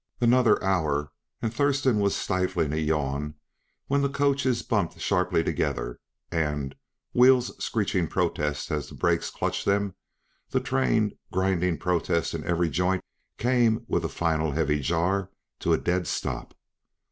Another hour, and Thurston was stiffing a yawn when the coaches bumped sharply together and, with wheels screeching protest as the brakes clutched them, the train, grinding protest in every joint, came, with a final heavy jar, to a dead stop.